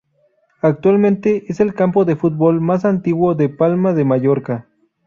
Actualmente es el campo de fútbol más antiguo de Palma de Mallorca.